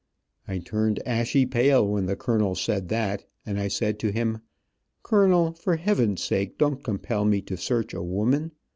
I turned ashy pale when the colonel said that, and I said to him: "Colonel, for heaven's sake don't compel me to search a woman.